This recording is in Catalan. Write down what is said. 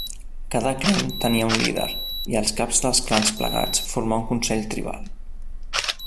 Cada clan tenia un líder, i els caps dels clans plegats formar un consell tribal.